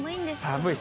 寒い。